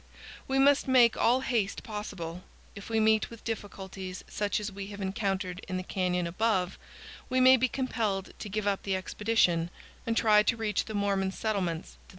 We must make all haste possible. If we meet with difficulties such as we have encountered in the canyon above, we may be compelled to give up the expedition and try to reach the Mormon settlements to the north.